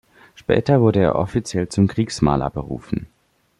Später wurde er offiziell zum Kriegsmaler berufen.